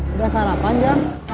udah sarapan jang